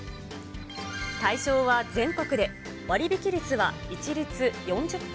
対象は全国で、割引率は一律４０％。